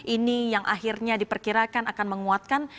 ini yang akhirnya diperkirakan akan menguatkan